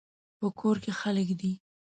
په کور کې خلک دي